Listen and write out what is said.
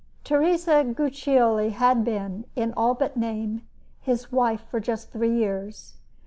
Teresa Guiccioli had been, in all but name, his wife for just three years.